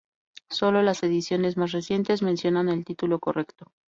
Sólo las ediciones más recientes mencionan el título correcto.